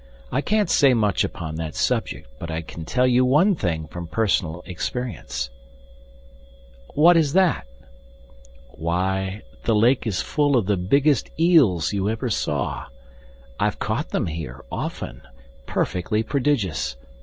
I can't say much upon that subject, but I can tell you ONE thing from personal experience." "What is that?" "Why, the lake is full of the biggest eels you ever saw. I've caught them here, often perfectly prodigious!